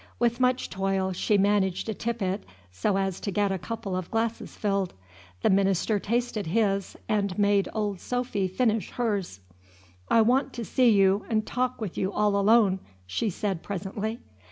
With much toil she managed to tip it so as to get a couple of glasses filled. The minister tasted his, and made old Sophy finish hers. "I wan' to see you 'n' talk wi' you all alone," she said presently.